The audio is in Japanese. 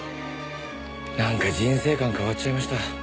なんか人生観変わっちゃいました。